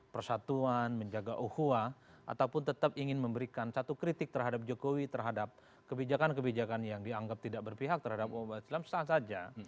persatuan menjaga uhuah ataupun tetap ingin memberikan satu kritik terhadap jokowi terhadap kebijakan kebijakan yang dianggap tidak berpihak terhadap umat islam sah saja